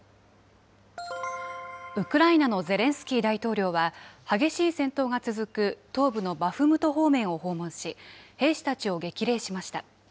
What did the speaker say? ウクライナのゼレンスキー大統領は、激しい戦闘が続く東部のバフムト方面を訪問し、兵士たちを激励しました。